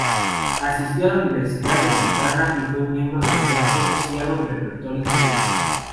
Asistió a la Universidad de Montana y fue miembro del teatro Seattle Repertory Theatre.